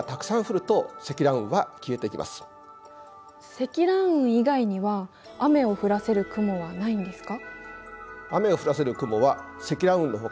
積乱雲以外には雨を降らせる雲はないんですか？